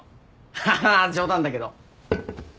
ハハッ冗談だけど。